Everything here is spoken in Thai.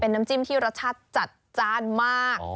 น้ำจิ้มที่รสชาติจัดจ้านมาก